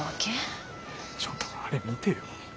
ちょっとあれ見てよ。